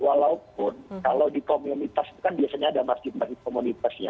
walaupun kalau di komunitas kan biasanya ada masjid masjid komunitasnya